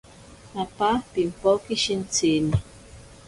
Apa pimpoke shintsini.